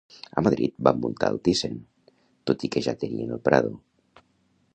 A Madrid van muntar el Thyssen, tot i que ja tenien el Prado